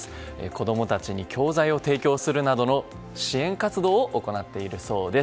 子供たちに教材を提供するなどの支援活動を行っているそうです。